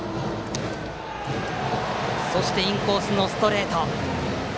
そしてインコースのストレート。